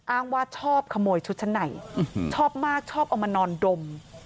อ้างว่าชอบขโมยชุดชั้นในชอบมากชอบเอามานอนดม